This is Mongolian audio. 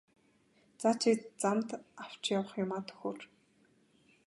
За чи замд авч явах юмаа төхөөр!